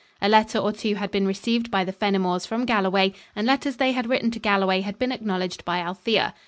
A letter or two had been received by the Fenimores from Galloway, and letters they had written to Galloway had been acknowledged by Althea.